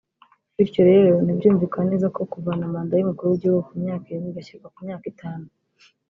Bityo rero nibyumvikane neza ko kuvana manda y’umukuru w’igihugu ku myaka irindwi igashyirwa ku myaka itanu